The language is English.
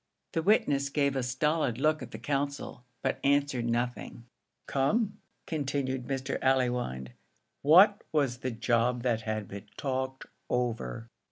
The witness gave a stolid look at the counsel, but answered nothing. "Come," continued Mr. Allewinde, "what was the job that had been talked over?"